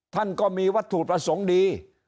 ท่านก็มีวัตถุประสงค์ดี